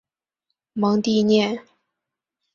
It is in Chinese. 蒙蒂涅。